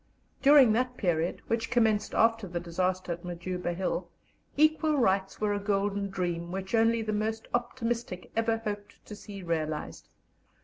During that period, which commenced after the disaster at Majuba Hill, "equal rights" were a golden dream which only the most optimistic ever hoped to see realized.